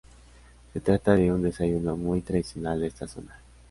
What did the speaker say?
Se trata de un desayuno muy tradicional de esta zona.